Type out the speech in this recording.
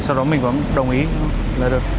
sau đó mình có đồng ý là được